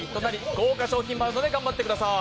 豪華賞品もあるので頑張ってください！